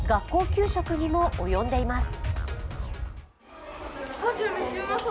給食にも及んでいます。